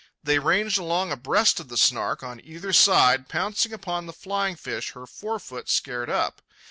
They ranged along abreast of the Snark on either side, pouncing upon the flying fish her forefoot scared up.